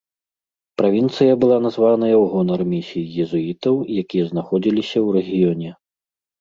Правінцыя была названая ў гонар місій езуітаў, якія знаходзіліся ў рэгіёне.